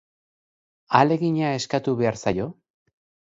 Ahalegina eskatu behar zaio?